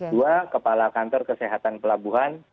dua kepala kantor kesehatan pelabuhan